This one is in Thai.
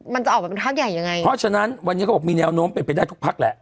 มันจะออกมาเป็นพักใหญ่ยังไงเพราะฉะนั้นวันนี้เขาบอกมีแนวโน้มเป็นไปได้ทุกพักแหละ